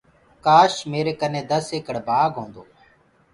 ڪآش ميرآ ڪنآ دس ايڪڙ بآگ هيندو۔